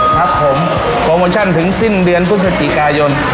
ครับผมโปรโมชั่นถึงสิ้นเดือนพฤศจิกายน